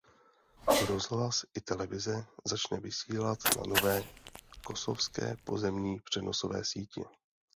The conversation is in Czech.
Rozhlas i televize začne vysílat na nové kosovské pozemní přenosové sítí.